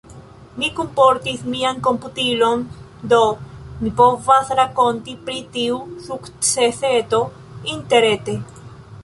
Mi kunportis mian komputilon, do mi povas rakonti pri tiu sukceseto interrete.